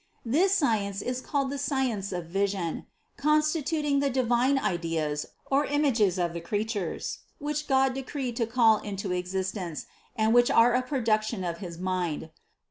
This science is called the science of vision, constituting the divine ideas or images of the creatures, which God decreed to call into existence and which are a production of his mind.